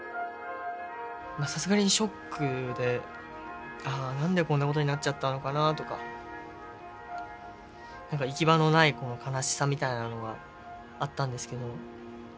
さすがにショックでああ何でこんなことになっちゃったのかなとか何か行き場のないこの悲しさみたいなのがあったんですけど。